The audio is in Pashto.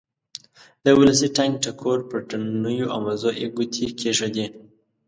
د ولسي ټنګ ټکور پر تڼیو او مزو یې ګوتې کېښودې.